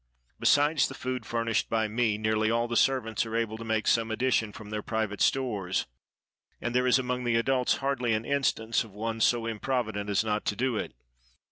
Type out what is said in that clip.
Besides the food furnished by me, nearly all the servants are able to make some addition from their private stores; and there is among the adults hardly an instance of one so improvident as not to do it.